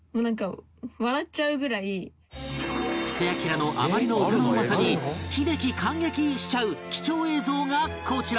布施明のあまりの歌のうまさに「ヒデキ感激！」しちゃう貴重映像がこちら